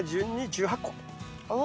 １８個。